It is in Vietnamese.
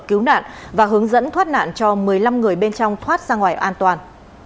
cứu nạn và hướng dẫn thoát nạn cho một mươi năm người bên trong thoát ra ngoài an toàn